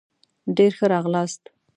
ډېر ښه راغلاست